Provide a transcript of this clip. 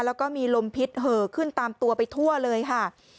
แล้วก็มีลมพิษเหอะขึ้นตามตัวไปทั่วเลยค่ะ